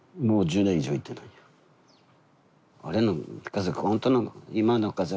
もう１０年以上行ってないよ。